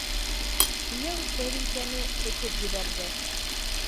Кейәү тәрилкәне этеп ебәрҙе: